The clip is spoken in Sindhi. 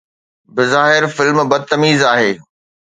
بظاهر فلم بدتميز آهي